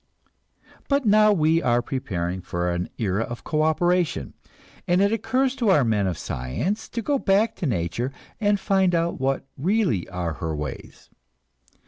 But now we are preparing for an era of cooperation, and it occurs to our men of science to go back to nature and find out what really are her ways.